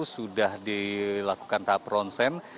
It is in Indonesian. sudah dilakukan tahap ronsen